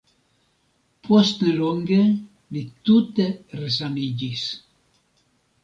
Post nelonge, li tute resaniĝis.